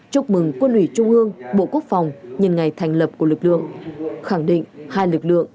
chúc mừng quân ủy trung ương bộ quốc phòng nhân ngày thành lập của lực lượng khẳng định hai lực lượng